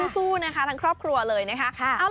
สู้นะคะทั้งครอบครัวเลยนะคะ